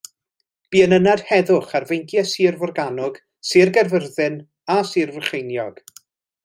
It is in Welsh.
Bu yn ynad heddwch ar feinciau Sir Forgannwg, Sir Gaerfyrddin a Sir Frycheiniog.